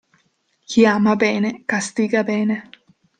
Chi ama bene castiga bene.